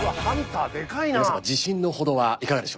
皆さま自信のほどはいかがでしょうか？